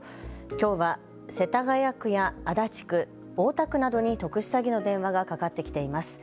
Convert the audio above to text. きょうは、世田谷区や足立区、大田区などに特殊詐欺の電話がかかってきています。